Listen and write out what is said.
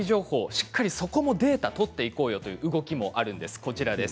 しっかりそこをデータを取っていこうという動きもあるんです。